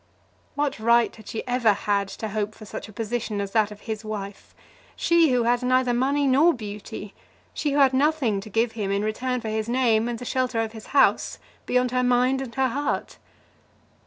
What right had she ever had to hope for such a position as that of his wife, she who had neither money nor beauty, she who had nothing to give him in return for his name and the shelter of his house beyond her mind and her heart?